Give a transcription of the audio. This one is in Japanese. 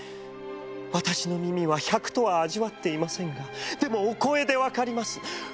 私の耳は百とは味わっていませんがでもお声でわかります。